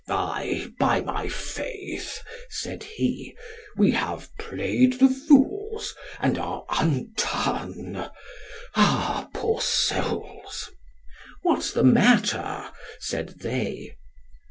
Ay, by my faith, said he, we have played the fools, and are undone. Ha, poor souls! What's the matter? said they.